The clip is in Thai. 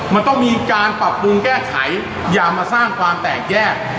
มันต้องมีการปรับปรุงแก้ไขอย่ามาสร้างความแตกแยก